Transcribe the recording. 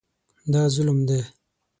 دا ظلم دی.